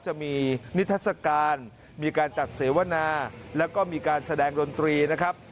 จะมีนิทัศกาลมีการจัดเสวนาแล้วก็มีการแสดงดนตรีนะครับ